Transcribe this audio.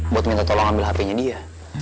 buat minta tolong ambil hpnya dia